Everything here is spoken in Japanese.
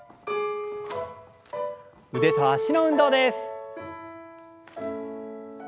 腕と脚の運動です。